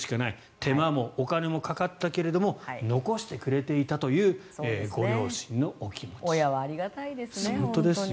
手間もお金もかかったけれど残してくれていたという親はありがたいですね。